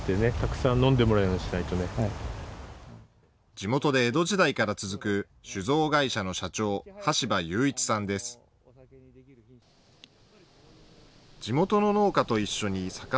地元で江戸時代から続く酒造会社の社長、橋場友一さんです。